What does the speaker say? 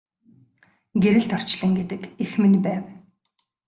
Гэрэлт орчлон гэдэг эх минь байв.